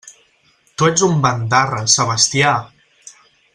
Tu ets un bandarra, Sebastià!